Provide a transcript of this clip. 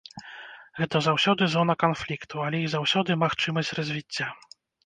Гэта заўсёды зона канфлікту, але і заўсёды магчымасць развіцця.